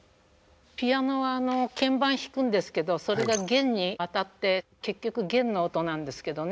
ピアノは鍵盤弾くんですけどそれが弦に当たって結局弦の音なんですけどね。